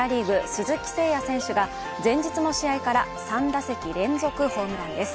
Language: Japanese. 鈴木誠也選手が前日の試合から３打席連続のホームランです。